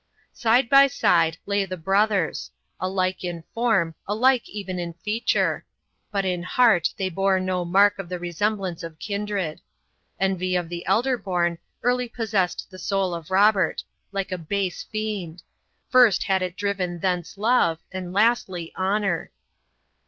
Side by side lay the brothers, alike in form, alike even in feature. But in heart they bore no mark of the resemblance of kindred. Envy of the elder born early possessed the soul of Robert, like a base fiend; first had it driven thence love, and lastly honor.